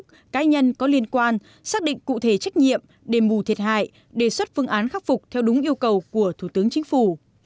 các tổ chức cá nhân có liên quan xác định cụ thể trách nhiệm để mù thiệt hại đề xuất phương án khắc phục theo đúng yêu cầu của thủ tướng chính phủ